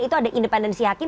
itu ada independensi hakim